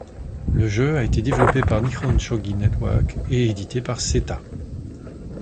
Le jeu a été développé par Nihon Shogi Network et édité par Seta.